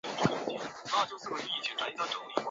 此半壳型结构可有效的将气动力分布到机体各处。